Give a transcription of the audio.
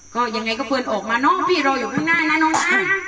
ก็ยังไงก็เพื่อนออกมาเนอะพี่รออยู่ข้างหน้านะน้องนะ